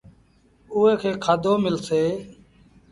اُئي کي کآڌو ملسي۔